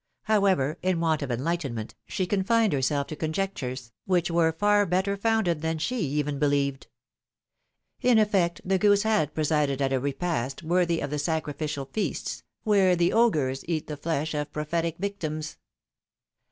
However, in want of enlightenment, she confined herself to conjectures, which were far better founded than she even believed. In effect, the goose had presided at a repast worthy of the sacrificial feasts, where the augurs eat the flesh of pro phetic victims.